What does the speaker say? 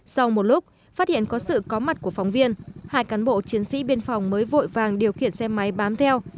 sau một lúc phát hiện có sự có mặt của phóng viên hai cán bộ chiến sĩ biên phòng mới vội vàng điều khiển xe máy bám theo